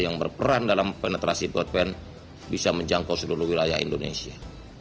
yang berperan dalam penetrasi broadband bisa menjangkau seluruh wilayah indonesia